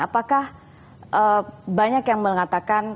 apakah banyak yang mengatakan